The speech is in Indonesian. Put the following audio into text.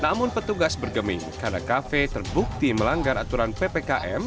namun petugas bergeming karena kafe terbukti melanggar aturan ppkm